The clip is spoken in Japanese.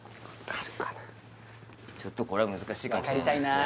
ちょっとこれは難しいかもしれないですね